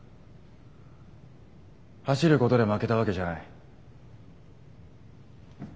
走ることで負けたわけじゃない。